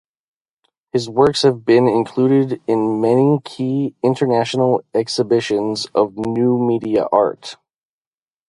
His works have been included in many key international exhibitions of new media art.